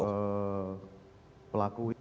saya itu pelaku